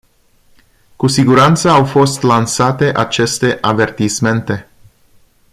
Cu siguranță au fost lansate aceste avertismente.